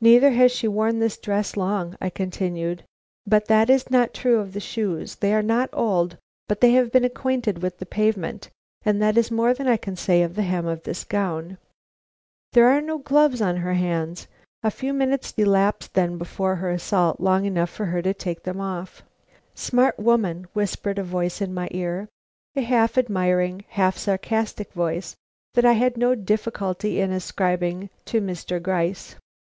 "Neither has she worn this dress long," I continued; "but that is not true of the shoes. They are not old, but they have been acquainted with the pavement, and that is more than can be said of the hem of this gown. There are no gloves on her hands; a few minutes elapsed then before the assault; long enough for her to take them off." "Smart woman!" whispered a voice in my ear; a half admiring, half sarcastic voice that I had no difficulty in ascribing to Mr. Gryce.